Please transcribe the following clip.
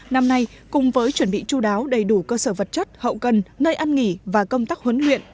năm nay cùng với chuẩn bị chú đáo đầy đủ cơ sở vật chất hậu cần nơi ăn nghỉ và công tác huấn luyện